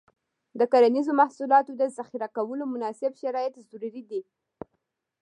د کرنیزو محصولاتو د ذخیره کولو مناسب شرایط ضروري دي.